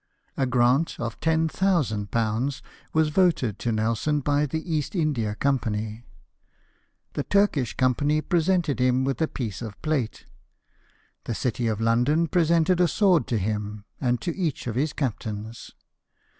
A grant of £10,000 was voted to Nelson by the East India Company ; the Turkish Company presented him with a piece of plate ; the City of London presented a sword to him and to each of his captains.